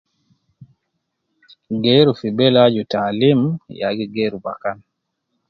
Geeru fi bele aju taalim, ya gi geeru bakan